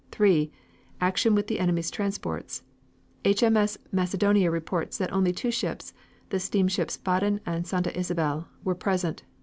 Three, Action with the enemy's transports. H.M.S. Macedonia reports that only two ships, the steamships Baden and Santa Isabel, were present.